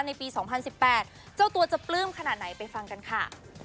ในปี๒๐๑๘เจ้าตัวจะปลื้มขนาดไหนไปฟังกันค่ะ